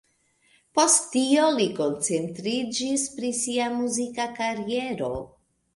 Post tio li koncentriĝis pri sia muzika kariero.